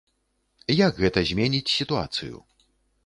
Як гэта зменіць сітуацыю?